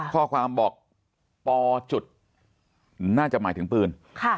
ข้อความบอกปจุดน่าจะหมายถึงปืน